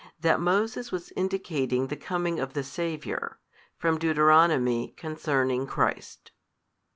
That Moses was indicating the Coming of the Saviour. From Deuteronomy, concerning Christ.